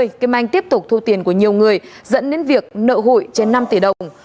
đến năm hai nghìn hai mươi kim anh tiếp tục thu tiền của nhiều người dẫn đến việc nợ hội trên năm tỷ đồng